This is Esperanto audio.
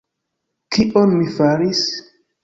Kion mi faris?